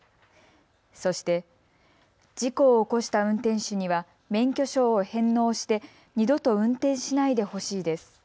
そして事故を起こした運転手には免許証を返納して二度と運転しないでほしいです。